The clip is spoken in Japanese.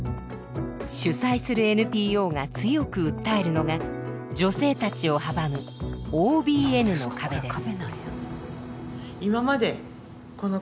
主催するＮＰＯが強く訴えるのが女性たちを阻むＯＢＮの壁です。